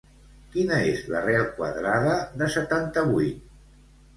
Quina és l'arrel quadrada de setanta-vuit?